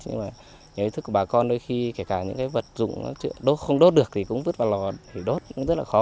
những ý thức của bà con đôi khi kể cả những vật dụng không đốt được thì cũng vứt vào lò để đốt rất là khó